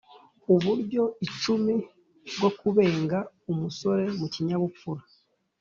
Uburyo icumi Bwo Kubenga Umusore Mu Kinyabupfura